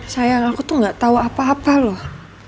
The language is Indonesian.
sayang aku tuh gak tahu apa apa loh